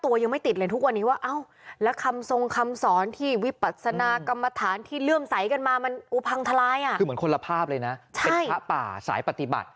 ตัวยังไม่ติดเลยทุกกวันนี้ว่าเอาแล้วคำทรงคำสอนที่วิบัติสนากรรมฐานที่เรื่องไฮมันอุบังทัล้ายอ่ะเหมือนคนละภาพเลยนะใช่ตะป่า